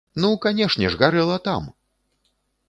Ну, канешне ж, гарэла там!